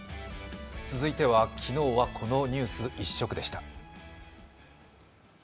続いては、昨日はこのニュース一色でした。